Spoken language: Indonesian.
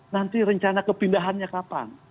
nanti rencana kepindahannya kapan